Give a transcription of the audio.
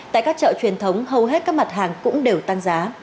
tại các chợ truyền thống hầu hết các mặt hàng cũng đều tăng giá